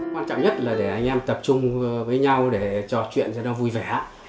quan trọng nhất là để anh em tập trung với nhau để trò chuyện cho nó vui vẻ